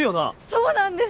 そうなんです